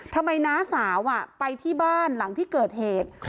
น้าสาวไปที่บ้านหลังที่เกิดเหตุ